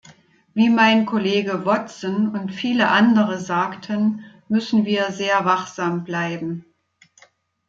Wie mein Kollege Watson und viele andere sagten, müssen wir sehr wachsam bleiben.